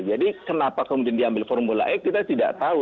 jadi kenapa kemudian diambil formula e kita tidak tahu